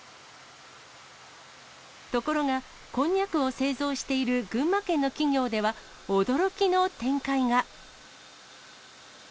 ところが、こんにゃくを製造している群馬県の企業では、驚きの展開が。